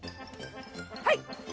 はい！